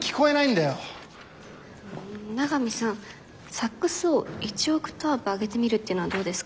サックスを１オクターブ上げてみるっていうのはどうですか？